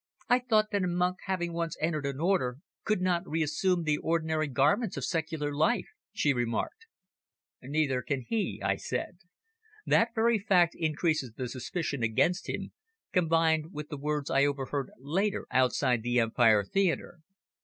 "I thought that a monk, having once entered an Order, could not re assume the ordinary garments of secular life," she remarked. "Neither can he," I said. "That very fact increases the suspicion against him, combined with the words I overheard later outside the Empire Theatre."